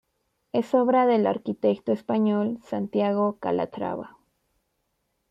Es obra del arquitecto español Santiago Calatrava.